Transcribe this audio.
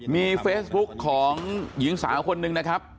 มีเฟซบุ๊กของหญิงสาวคนหนึ่งนะครับ